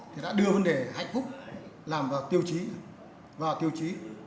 thì đã đưa vấn đề hạnh phúc làm vào tiêu chí